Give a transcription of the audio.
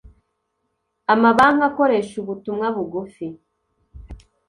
Amabanki akoresha ubutumwa bugufi,